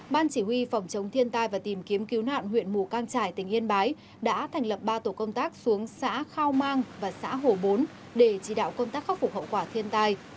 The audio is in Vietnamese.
ban chỉ huy phòng chống thiên tai và tìm kiếm cứu nạn huyện mù cang trải tỉnh yên bái đã thành lập ba tổ công tác xuống xã khao mang và xã hồ bốn để chỉ đạo công tác khắc phục hậu quả thiên tai